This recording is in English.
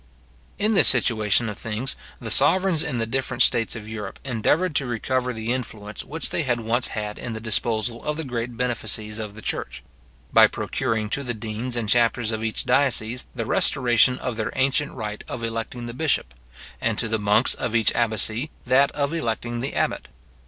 In this situation of things, the sovereigns in the different states of Europe endeavoured to recover the influence which they had once had in the disposal of the great benefices of the church; by procuring to the deans and chapters of each diocese the restoration of their ancient right of electing the bishop; and to the monks of each abbacy that of electing the abbot.